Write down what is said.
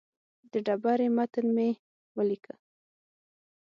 د ډبرې متن مې ولیکه.